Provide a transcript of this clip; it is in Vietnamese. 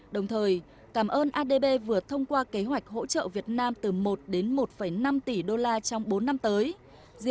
đồng thời cảm ơn adb vừa thông qua kế hoạch hỗ trợ việt nam từ một một năm tỷ usd trong bốn năm tới